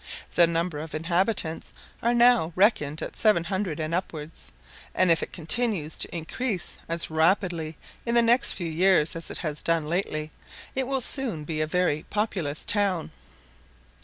The number of inhabitants are now reckoned at seven hundred and upwards, and if it continues to increase as rapidly in the next few years as it has done lately, it will soon be a very populous town*.